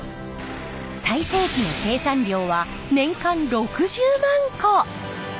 最盛期の生産量は年間６０万個。